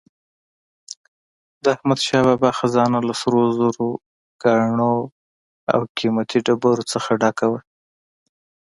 د احمدشاه بابا خزانه له سروزرو، ګاڼو او قیمتي ډبرو نه ډکه وه.